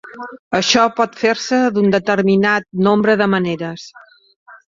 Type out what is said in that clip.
Això pot fer-se en un determinat nombre de maneres.